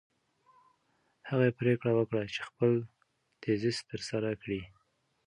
هغې پرېکړه وکړه چې خپل تیزیس ترسره کړي.